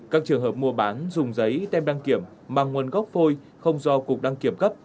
các trường hợp mua bán dùng giấy tem đăng kiểm mà nguồn gốc phôi không do cục đăng kiểm cấp